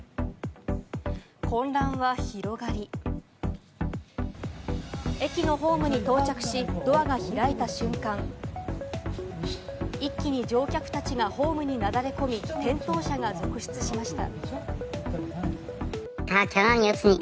混乱は広がり、駅のホームに到着し、ドアが開いた瞬間、一気に乗客たちがホームになだれ込み、転倒者が続出しました。